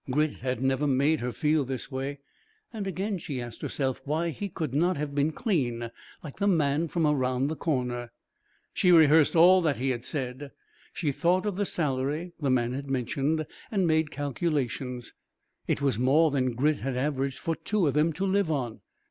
Grit had never made her feel this way. And again she asked herself why he could not have been clean like the man from around the corner. She rehearsed all that had been said. She thought of the salary the man had mentioned, and made calculations. It was more than Grit had averaged for the two of them to live on.